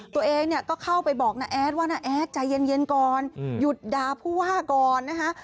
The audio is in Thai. ตัวเองก็เข้าไปบอกณแอดว่าณแอดใจเย็นก่อนหยุดดาผู้ว่าก่อนนะคะ